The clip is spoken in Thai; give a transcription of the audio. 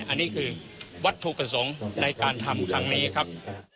อันนี้คือวัตถุประสงค์ในการทำครั้งนี้ครับ